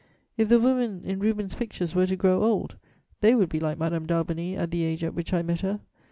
If the women in Rubens' pictures were to grow old, they would be like Madame d'Albany at the age at which I met her.